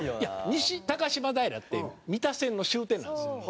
西高島平って三田線の終点なんです。